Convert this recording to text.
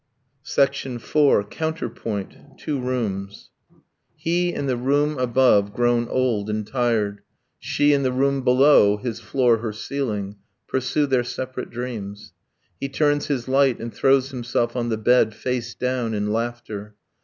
IV. COUNTERPOINT: TWO ROOMS He, in the room above, grown old and tired, She, in the room below his floor her ceiling Pursue their separate dreams. He turns his light, And throws himself on the bed, face down, in laughter.